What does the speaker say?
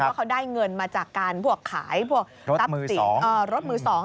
ว่าเขาได้เงินมาจากการขายรถมือสอง